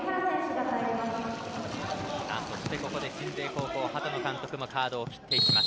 そして、ここで鎮西高校畑野監督もカードを切ります。